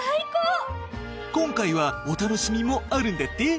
今回はお楽しみもあるんだって？